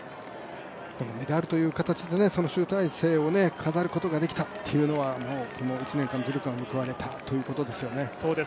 メダルという形で、その集大成を飾ることができたというのはこの１年間の努力が報われたということですよね。